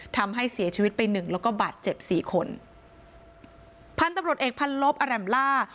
ทำให้เสียชีวิตไปหนึ่งแล้วก็บาดเจ็บสี่คนพันธุ์ตำรวจเอกพันลบอร่ำล่า